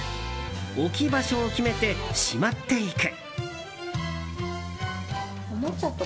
置き場所を決めてしまっていく。